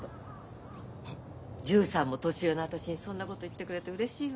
１３も年上の私にそんなこと言ってくれてうれしいわ。